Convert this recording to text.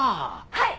はい！